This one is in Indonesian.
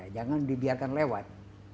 jangan dibiarkan lewat